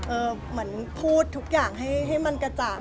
เหมือนพูดทุกอย่างให้มันกระจ่าง